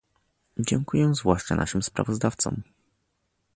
Dziękuję zwłaszcza naszym sprawozdawcom